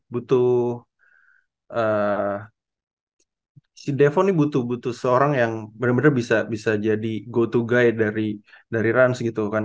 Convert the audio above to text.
butuh si defo ini butuh butuh seorang yang benar benar bisa jadi go to guide dari rans gitu kan